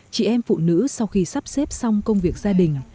chị em phụ nữ sau khi sắp xếp xong công việc gia đình